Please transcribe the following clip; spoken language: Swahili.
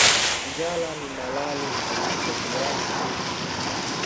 Njala ni malali aieshimiaki mutu